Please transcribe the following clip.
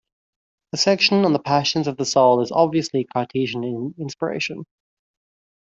A section on the passions of the soul is obviously Cartesian in inspiration.